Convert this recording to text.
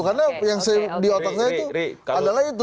karena yang di otak saya itu adalah itu